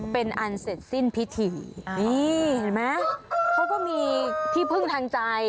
เป็นอันเสร็จสิ้นพิธีนี่เห็นไหมเขาก็มีที่พึ่งทางใจ